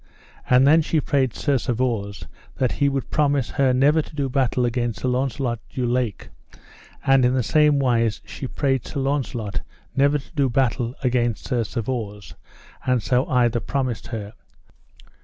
And then she prayed Sir Servause that he would promise her never to do battle against Sir Launcelot du Lake, and in the same wise she prayed Sir Launcelot never to do battle against Sir Servause, and so either promised her.